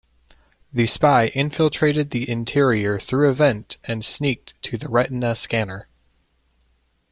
The spy infiltrated the interior through a vent and sneaked to the retina scanner.